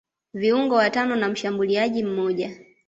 viungo watano na mshambuliaji mmoja